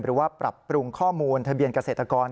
ปรับปรุงข้อมูลทะเบียนเกษตรกร